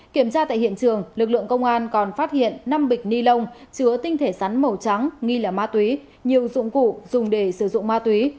kiểm tra tại hiện trường lực lượng công an còn phát hiện năm bịch ni lông chứa tinh thể rắn màu trắng nghi là ma túy nhiều dụng cụ dùng để sử dụng ma túy